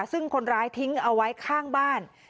ซึ่งคนร้ายทิ้งเอาไว้ข้างบ้าน